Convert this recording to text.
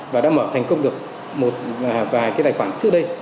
và đã mở thành công được một vài cái tài khoản trước đây